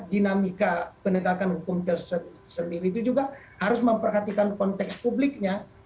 dinamika penegakan hukum tersendiri itu juga harus memperhatikan konteks publiknya